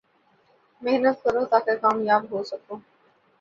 محنت کرو تا کہ کامیاب ہو سکو